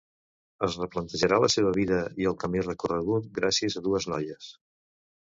Es replantejarà la seva vida i el camí recorregut gràcies a dues noies.